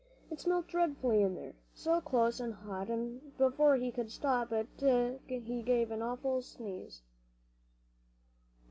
It smelt dreadfully in there, so close and hot, and before he could stop it he gave an awful sneeze.